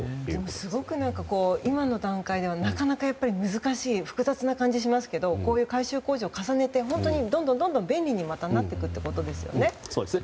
すごく今の段階ではなかなか難しい複雑な感じがしますけどこういう改修工事を重ねてどんどん便利に、またなっていくということですね。